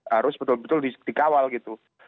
harus betul betul dikawal gitu